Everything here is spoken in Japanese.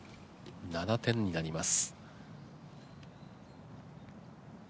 ７点になります。